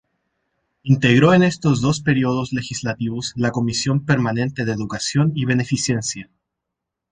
Integró en estos dos períodos legislativos la comisión permanente de educación y beneficencia.